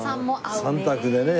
３択でね。